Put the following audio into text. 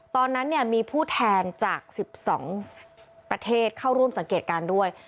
ตอนนั้นมีผู้แทนจาก๑๒ประเทศเข้าร่วมสังเกตการณ์ด้วย